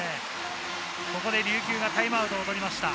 ここで琉球がタイムアウトを取りました。